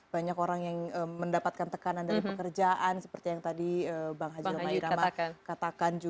banyak orang yang mendapatkan tekanan dari pekerjaan seperti yang tadi bang haji roma irama katakan